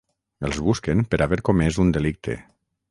Els busquen per haver comès un delicte.